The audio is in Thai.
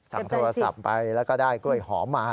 สั่งโทรศัพท์ไปแล้วก็ได้กล้วยหอมมา